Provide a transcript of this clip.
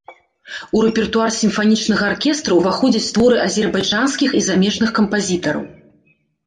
У рэпертуар сімфанічнага аркестра ўваходзяць творы азербайджанскіх і замежных кампазітараў.